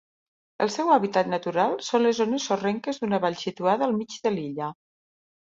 El seu hàbitat natural són les zones sorrenques d'una vall situada al mig de l'illa.